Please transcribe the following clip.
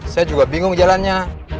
saya juga bingung jalannya